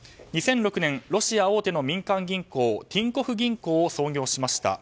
２００６年ロシア大手の民間銀行ティンコフ銀行を創業しました。